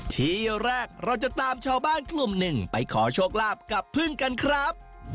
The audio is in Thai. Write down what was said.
ที่แรกเราจะตามชาวบ้านกลุ่มหนึ่งไปขอโชคลาภกับพึ่งกันครับ